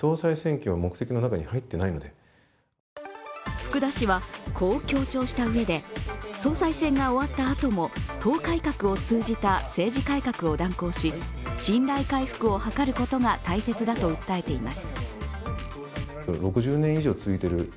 福田氏はこう強調したうえで総裁選が終わったあとも党改革を通じた政治改革を断行し、信頼回復を図ることが大切だと訴えています。